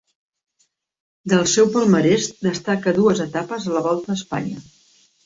Del seu palmarès destaca dues etapes a la Volta a Espanya.